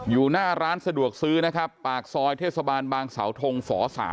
อยู่หน้าร้านสะดวกซื้อนะครับปากซอยเทศบาลบางสาวทงฝ๓